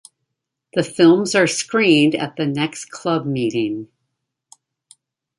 The films are screened at the next club meeting.